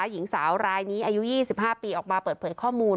หญิงสาวรายนี้อายุ๒๕ปีออกมาเปิดเผยข้อมูล